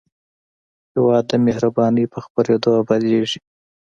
هېواد د مهربانۍ په خپرېدو ابادېږي.